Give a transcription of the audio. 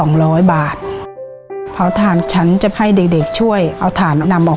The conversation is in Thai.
ครอบครรภาคทางฉันจะให้ใดช่วยเอาทำออกมาตาก